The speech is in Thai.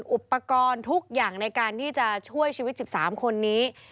อุปกรณ์ทุกอย่างในการที่จะช่วยชีวิต๑๓คนนี้